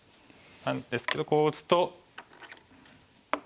なんですけどこう打つと。